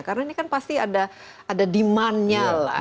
karena ini kan pasti ada demandnya lah